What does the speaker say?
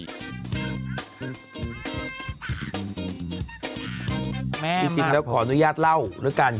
จริงแล้วขออนุญาตเล่าแล้วกัน